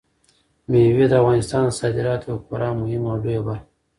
مېوې د افغانستان د صادراتو یوه خورا مهمه او لویه برخه ده.